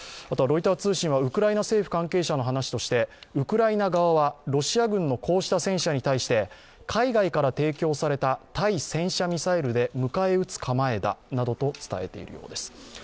ロイター通信はウクライナ政府関係者の話としてウクライナ側はロシア軍のこうした戦車に対して、海外から提供された対戦車ミサイルで迎え撃つ構えだと伝えているようです。